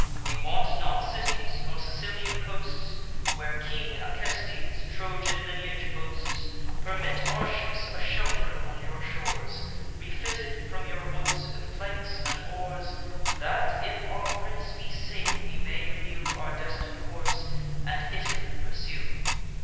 We want not cities, nor Sicilian coasts, Where King Acestes Trojan lineage boasts. Permit our ships a shelter on your shores, Refitted from your woods with planks and oars, That, if our prince be safe, we may renew Our destin'd course, and Italy pursue.